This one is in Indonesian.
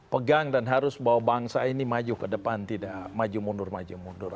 pegang dan harus bahwa bangsa ini maju ke depan tidak maju mundur maju mundur